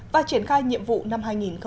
và triển khai nhiệm vụ năm hai nghìn một mươi tám